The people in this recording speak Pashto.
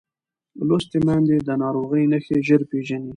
لوستې میندې د ناروغۍ نښې ژر پېژني.